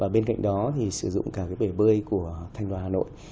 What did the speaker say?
bên cạnh đó sử dụng cả bể bơi của thành phố hà nội